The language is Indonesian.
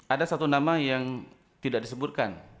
ada satu nama yang tidak disebutkan